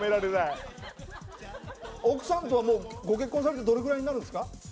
奥さんとはもうご結婚されてどれぐらいになるんですか？